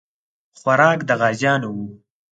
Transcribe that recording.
خوراک د غازیانو وو.